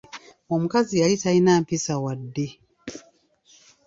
Omukazi yali talina mpisa wadde.